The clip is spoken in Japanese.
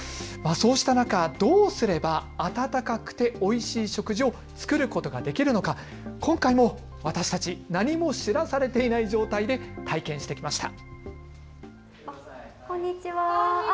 そうした中、どうすれば温かくておいしい食事を作ることができるのか、今回も私たち何も知らされていない状態で体験してきました。